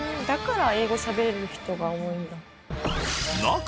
だから英語しゃべれる人が多いんだ。